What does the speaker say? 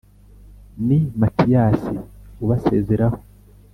ni matiyasi ubasezeraho